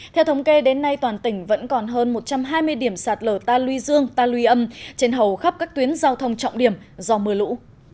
theo thống kê đến nay toàn tỉnh vẫn còn hơn một trăm hai mươi điểm sạt lở ta luy dương ta luy âm trên hầu khắp các tuyến giao thông trọng điểm do mưa lũ